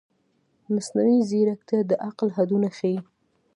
مصنوعي ځیرکتیا د عقل حدونه ښيي.